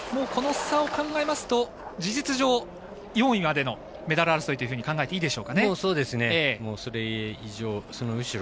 この差を考えますと事実上４位までのメダル争いと考えていいでしょうかね。